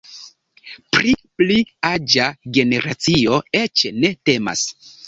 Pri pli aĝa generacio eĉ ne temas.